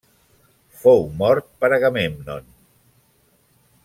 Fou mort per Agamèmnon.